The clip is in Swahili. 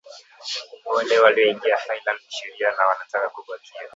Wale walioingia Thailand kisheria na wanataka kubakia